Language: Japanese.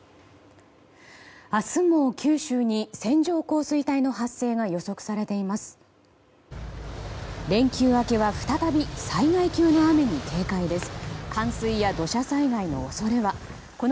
明日も九州に線状降水帯の発生が予測されています。